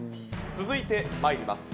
続いてまいります。